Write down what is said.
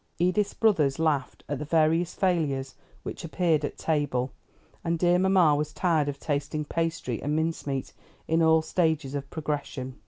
Edith's brothers laughed at the various failures which appeared at table, and dear mamma was tired of tasting pastry and mince meat in all stages of progression.